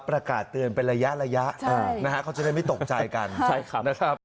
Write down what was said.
ประกาศเตือนเป็นระยะระยะนะฮะเขาจะได้ไม่ตกใจกันใช่ครับนะครับ